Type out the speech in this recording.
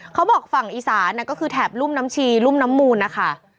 ฝั่งอีสานก็คือแถบรุ่มน้ำชีรุ่มน้ำมูลนะคะ